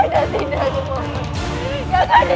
tidak kakak anda